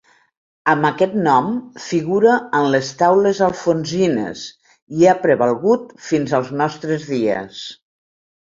Amb aquest nom figura en les Taules alfonsines, i ha prevalgut fins als nostres dies.